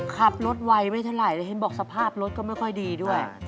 ขับรถไวไม่เท่าไหร่แล้วเห็นบอกสภาพรถก็ไม่ค่อยดีด้วย